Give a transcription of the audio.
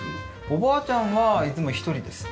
おばあちゃんはいつも１人です。